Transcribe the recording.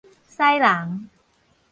屎人